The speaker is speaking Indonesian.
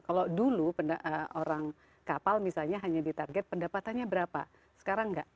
kalau dulu orang kapal misalnya hanya ditarget pendapatannya berapa sekarang enggak